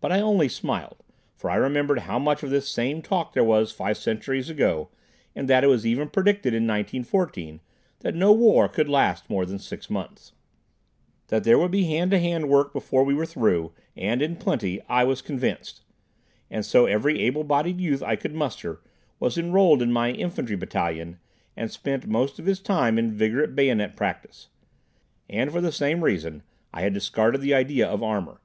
But I only smiled, for I remembered how much of this same talk there was five centuries ago, and that it was even predicted in 1914 that no war could last more than six months. That there would be hand to hand work before we were through, and in plenty, I was convinced, and so every able bodied youth I could muster was enrolled in my infantry battalion and spent most of his time in vigorous bayonet practice. And for the same reason I had discarded the idea of armor.